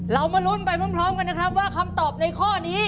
เรามาลุ้นไปพร้อมกันนะครับว่าคำตอบในข้อนี้